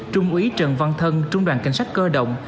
trung úy trần văn thân trung đoàn cảnh sát cơ động